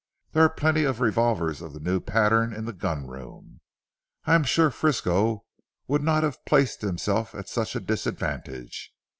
There are plenty of revolvers of the new pattern in the gun room. I am sure Frisco would not have placed himself at such a disadvantage.